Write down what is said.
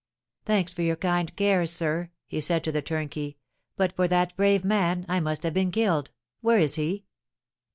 "Thanks for your kind cares, sir," he said to the turnkey. "But for that brave man, I must have been killed. Where is he?"